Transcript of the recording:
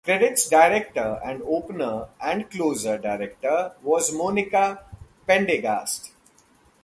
Credits director and opener and closer director was Monica Pendegast.